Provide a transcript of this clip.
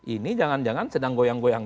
ini jangan jangan sedang goyang goyang